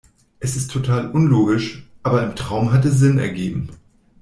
Es ist total unlogisch, aber im Traum hat es Sinn ergeben.